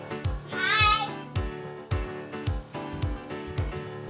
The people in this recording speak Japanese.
はい。